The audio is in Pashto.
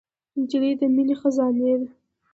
نجلۍ د مینې خزانې ده.